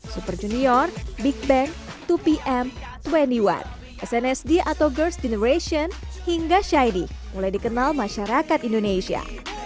super junior big bang dua pm dua puluh satu snsd atau girs generation hingga shid mulai dikenal masyarakat indonesia